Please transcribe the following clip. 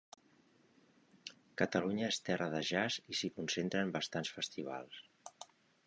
Catalunya és terra de jazz i s'hi concentren bastants festivals.